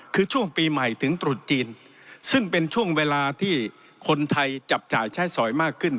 คือช่วงปีใหม่ถึงตรุษจีนซึ่งเป็นช่วงเวลาที่คนไทยจับจ่ายใช้สอยมากขึ้น